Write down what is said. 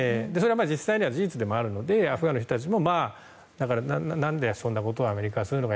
実際に事実ではあるのでアフガンの人たちも何でそんなことをアメリカはするのか。